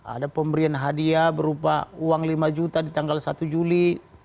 ada pemberian hadiah berupa uang lima juta di tanggal satu juli